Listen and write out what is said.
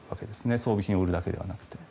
装備品を売るだけではなくて。